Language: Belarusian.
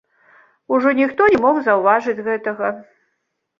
Ужо ніхто не мог заўважыць гэтага.